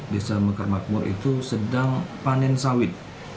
desa mekar makmur itu sedang panen sawit